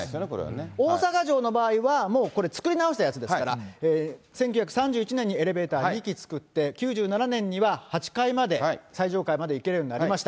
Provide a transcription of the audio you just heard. そ大阪城の場合はこれ、作り直したものですから、１９３１年にエレベーター２基作って、９７年には８階まで、最上階まで行けるようになりました。